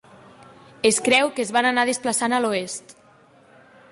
Es creu que es van anar desplaçant a l'oest.